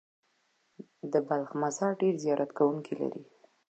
د بلخ مزار ډېر زیارت کوونکي لري.